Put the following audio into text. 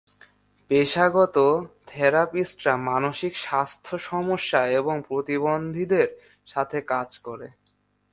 পেশাগত থেরাপিস্টরা মানসিক স্বাস্থ্য সমস্যা এবং প্রতিবন্ধীদের সাথে কাজ করে।